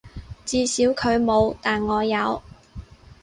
至少佢冇，但我有